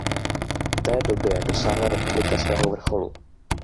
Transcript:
V této době dosáhla republika svého vrcholu.